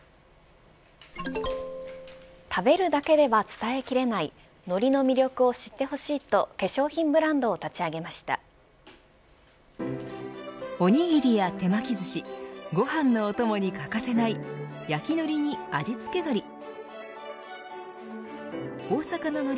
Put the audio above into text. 食べるだけでは伝えきれないのりの魅力を知ってほしいと化粧品ブランドをおにぎりや手巻きずしご飯のお供に欠かせない焼きのりに味付け海苔。